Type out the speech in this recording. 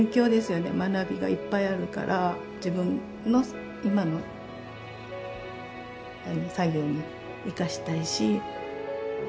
学びがいっぱいあるから自分の今の作業に生かしたいし。